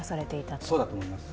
そうだと思います。